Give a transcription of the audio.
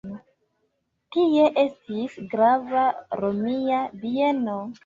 Tie estis grava romia bieno.